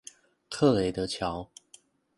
克雷的橋